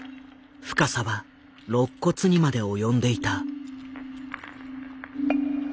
深さはろっ骨にまで及んでいた。